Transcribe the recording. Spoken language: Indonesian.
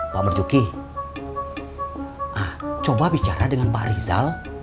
pak marjuki coba bicara dengan pak rizal